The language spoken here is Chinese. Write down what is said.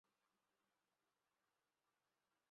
叶绍颙人。